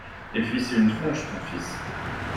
Et puis, c’est une tronche ton fils